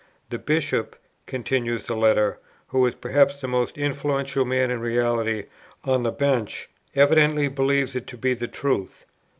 '" "The Bishop," continues the letter, "who is perhaps the most influential man in reality on the bench, evidently believes it to be the truth."